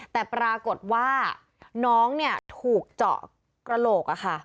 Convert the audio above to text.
แต่ปรากฏว่าน้องถูกเจาะกระโหลก